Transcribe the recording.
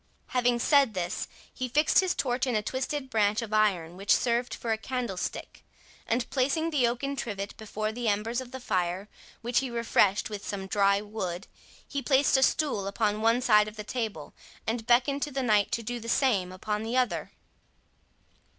Having said this, he fixed his torch in a twisted branch of iron which served for a candlestick; and, placing the oaken trivet before the embers of the fire, which he refreshed with some dry wood, he placed a stool upon one side of the table, and beckoned to the knight to do the same upon the other.